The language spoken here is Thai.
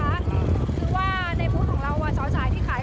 เธอก็อัดคลิปไว้ตลอดนะนี่ให้คุณณฤทธิเช้าได้สัมภาษณ์เนี่ย